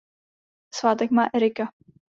Svátek má Erika.